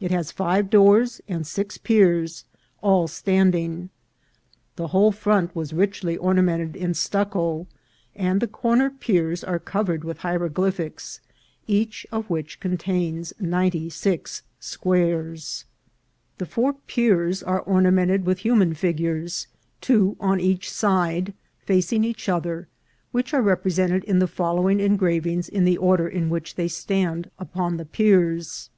It has five doors and six piers, all standing. The whole front was richly ornamented in stucco, and the corner piers are covered with hiero glyphics, each of which contains ninety six squares. • 340 INCIDENTS OF TRAVEL. The four piers are ornamented with human figures, two on each side, facing each other, which are repre sented in the following engravings in the order in which they stand upon the piers.